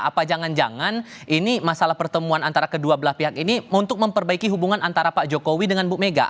apa jangan jangan ini masalah pertemuan antara kedua belah pihak ini untuk memperbaiki hubungan antara pak jokowi dengan bu mega